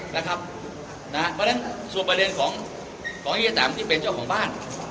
เพราะฉะนั้นส่วนประเด็นของเฮียแตมที่เป็นเจ้าของบ้าน